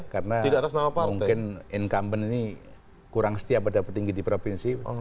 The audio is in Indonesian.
karena mungkin incumbent ini kurang setia pada petinggi di provinsi